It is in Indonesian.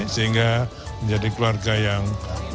sehingga menjadi keluarga yang